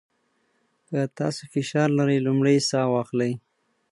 که تاسو فشار لرئ، لومړی ساه واخلئ.